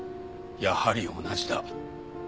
やはり同じだ。